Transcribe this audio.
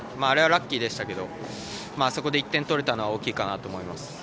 あれはラッキーでしたけどあそこで１点取れたのは大きいと思います。